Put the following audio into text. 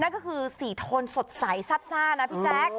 ก็คือสีโทนสดใสซับซ่านะพี่แจ๊ค